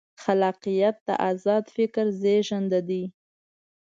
خلاقیت د ازاد فکر زېږنده دی.